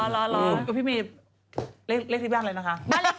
เลขที่บ้านเลยนะคะ